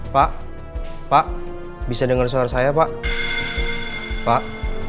pak pak bisa dengar suara saya pak